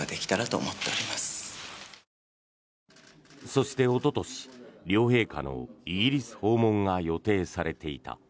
そしておととし両陛下のイギリス訪問が予定されていた。